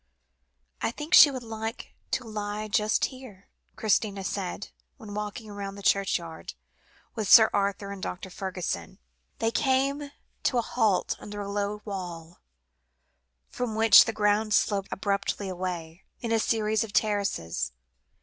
"I think she would like to lie just here," Christina said, when, walking round the churchyard with Sir Arthur and Dr. Fergusson, they came to a halt under a low wall, from which the ground sloped abruptly away, in a series of terraces.